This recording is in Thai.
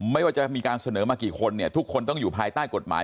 ไม่ว่าจะมีการเสนอมากี่คนเนี่ยทุกคนต้องอยู่ภายใต้กฎหมาย